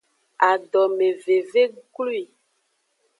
Adomeveve glwi.